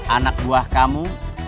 anak buah kamu